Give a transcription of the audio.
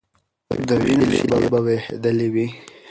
د وینو شېلې به بهېدلې وي.